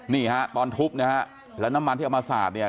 นี่ฮะตอนทุบนะฮะแล้วน้ำมันที่เอามาสาดเนี่ย